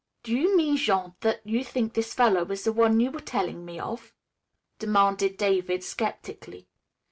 "Do you mean, Jean, that you think this fellow is the one you were telling me of?" demanded David skeptically.